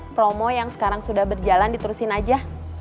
promo yang sekarang sudah berjalan diterusin aja